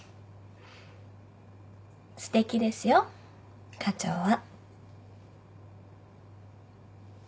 すてきですよ課長は。